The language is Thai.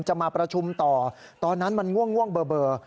จะมาประชุมต่อตอนนั้นมันง่วงเบอร์